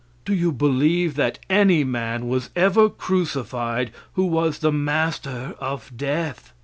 Do you believe that any man was ever crucified who was the master of death?